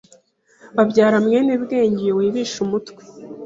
Babyara Mwenebwenge uyu wibisha umutwe